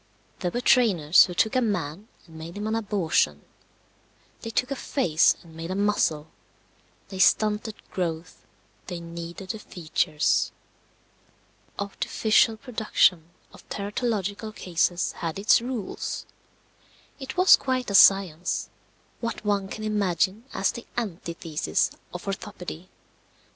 There were trainers who took a man and made him an abortion; they took a face and made a muzzle; they stunted growth; they kneaded the features. The artificial production of teratological cases had its rules. It was quite a science what one can imagine as the antithesis of orthopedy.